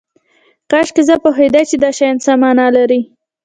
کاشکې زه پوهیدای چې دا شیان څه معنی لري